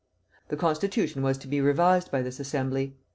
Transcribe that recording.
The constitution was to be revised by this Assembly.